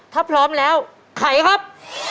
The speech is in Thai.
ถ้าพร้อมแล้วไขครับ